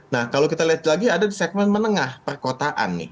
nah kalau kita lihat lagi ada di segmen menengah perkotaan nih